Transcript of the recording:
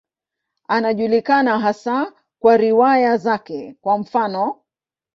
Anajulikana hasa kwa riwaya zake, kwa mfano.